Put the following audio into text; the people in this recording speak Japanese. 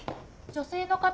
女性の方